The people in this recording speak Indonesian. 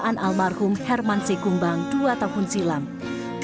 dan semakin besar peng stability